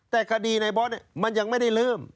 แต่คดีในบอสมันยังไม่ได้เริ่ม